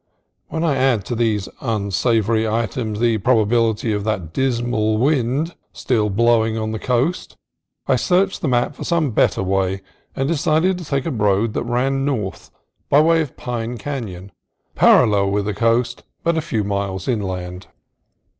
When I added to these unsavory items the probability of that dismal wind still blowing on the coast, I searched the map for some better way ; and decided to take a road that ran north by way of Pine Canon, parallel with the coast but a few miles inland.